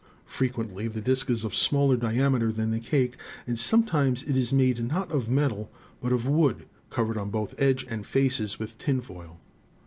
Frequently the disk is of smaller diameter than the cake, and sometimes it is made not of metal but of wood, covered on both edge and faces with tinfoil.